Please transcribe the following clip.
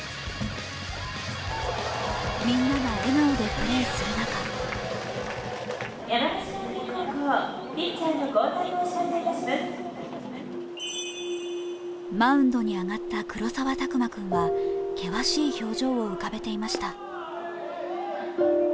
みんなが笑顔でプレーする中マウンドに上がった黒澤拓真君は険しい表情を浮かべていました。